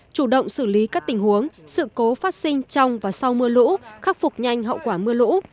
chủ động xử lý các tình huống sự cố phát sinh trong và sau mưa lũ khắc phục nhanh hậu quả mưa lũ